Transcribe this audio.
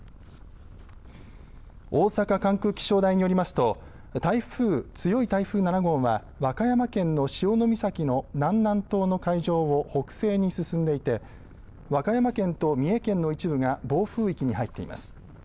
大阪管区気象台によりますと台風、強い台風７号は和歌山県の潮岬の南南東の海上を北西に進んでいて和歌山県と三重県の一部が暴風域に入っています。